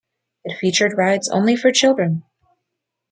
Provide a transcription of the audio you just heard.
It featured rides only for children.